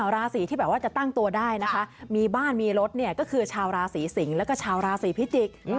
ราศีที่แบบว่าจะตั้งตัวได้นะคะมีบ้านมีรถเนี่ยก็คือชาวราศีสิงศ์แล้วก็ชาวราศีพิจิกษ์